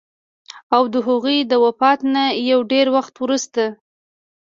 او د هغوي د وفات نه يو ډېر وخت وروستو